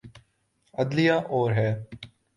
عدلیہ اور ہے۔